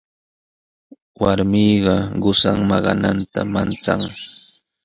Warmiqa qusan maqananta manchan.